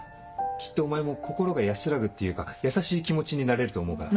きっとお前も心が安らぐっていうか優しい気持ちになれると思うから。